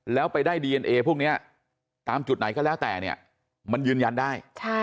แล้วไปได้ดีเอ็นเอพวกนี้ตามจุดไหนก็แล้วแต่เนี่ยมันยืนยันได้